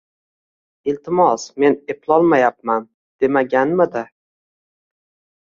Iltimos, men eplolmayapman demaganmidi?